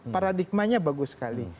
paradigmanya bagus sekali